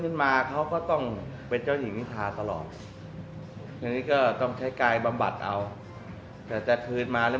มาเขาก็ต้องเป็นเจ้าหญิงนิทาตลอดทีนี้ก็ต้องใช้กายบำบัดเอาแต่จะคืนมาหรือ